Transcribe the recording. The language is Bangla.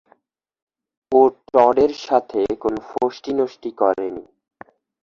ও টডের সাথে কোনো ফষ্টিনষ্টি করেনি।